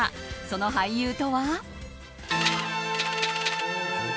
その俳優とは。